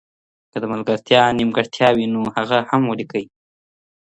که د ملګري نیمګړتیا وي نو هغه هم ولیکئ.